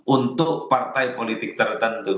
untuk partai politik tertentu